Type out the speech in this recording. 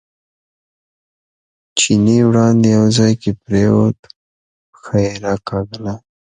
چیني وړاندې یو ځای کې پرېوت، پښه یې راکاږله.